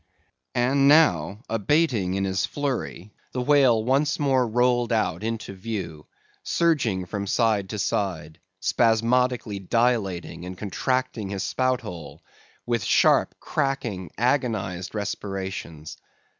And now abating in his flurry, the whale once more rolled out into view; surging from side to side; spasmodically dilating and contracting his spout hole, with sharp, cracking, agonized respirations.